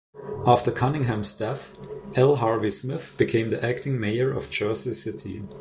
After Cunningham's death, L. Harvey Smith became the acting mayor of Jersey City.